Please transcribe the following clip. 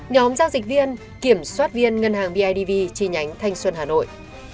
nhóm giao dịch viên kiểm soát viên ngân hàng bidv chi nhánh thanh xuân hà nội